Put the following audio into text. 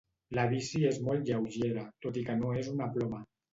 La bici és molt lleugera tot i que no és una ploma.